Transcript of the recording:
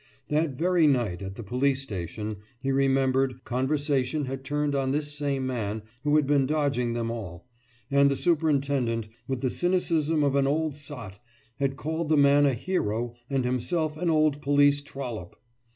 That very night at the police station, he remembered, conversation had turned on this same man who had been dodging them all, and the superintendent, with the cynicism of an old sot, had called the man a hero and himself an old police trollop.